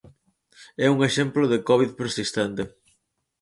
É un exemplo de covid persistente.